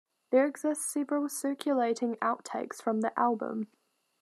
There exist several circulating outtakes from the album.